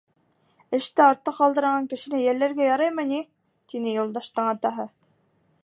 Эште артта ҡалдырған кешене йәлләргә яраймы ни? -тине Юлдаштың атаһы.